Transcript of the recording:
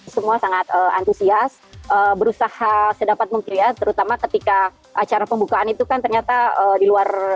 semua sangat antusias berusaha sedapat mungkin ya terutama ketika acara pembukaan itu kan ternyata di luar